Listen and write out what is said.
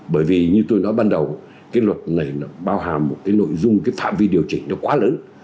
bởi vì như tôi nói ban đầu cái luật này nó bao hàm một cái nội dung cái phạm vi điều chỉnh nó quá lớn